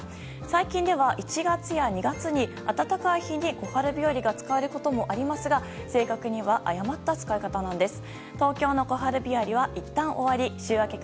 最近では１月や２月の暖かい日に小春日和が使われることもありますが正確には誤った使い方なんです。